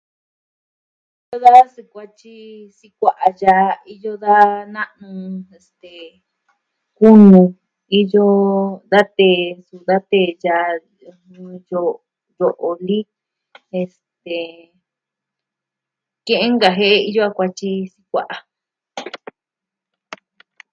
da va sukuatyi sikua'a ya'a iyo da na'nu. Kunu iyo da tee, su da tee yaa, niyo yo'o lii, este... ke'en nkajie'e iyo a kuatyi sikua'a.